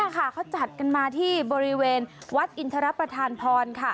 เขาจัดกันมาที่บริเวณวัดอินทรประธานพรค่ะ